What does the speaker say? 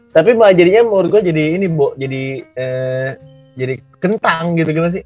tapi mah jadinya menurut gue jadi ini jadi kentang gitu kan sih